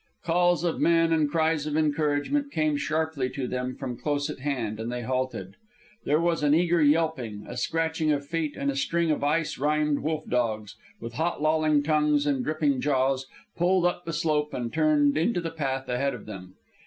Calls of men and cries of encouragement came sharply to them from close at hand, and they halted. There was an eager yelping, a scratching of feet, and a string of ice rimed wolf dogs, with hot lolling tongues and dripping jaws, pulled up the slope and turned into the path ahead of them.